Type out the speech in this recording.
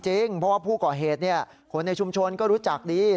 เพราะว่าผู้ก่อเหตุคนในชุมชนก็รู้จักดี